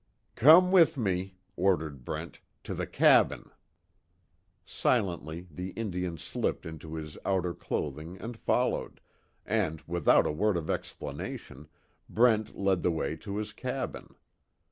"Come with me," ordered Brent, "To the cabin." Silently the Indian slipped into his outer clothing and followed, and without a word of explanation, Brent led the way to his cabin.